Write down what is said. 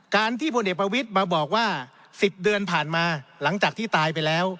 ที่พลเอกประวิทย์มาบอกว่า๑๐เดือนผ่านมาหลังจากที่ตายไปแล้ว